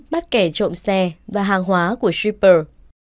bắt kẻ trộm xe và hàng hóa của shipper